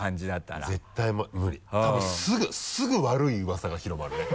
多分すぐ悪いウワサが広まるね。